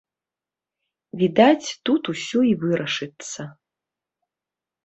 Відаць, тут усё і вырашыцца.